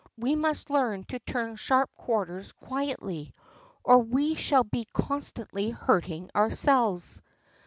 We must learn to turn sharp corners quietly, or we shall be constantly hurting ourselves.